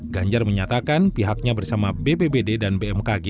ganjar menyatakan pihaknya bersama bpbd dan bmkg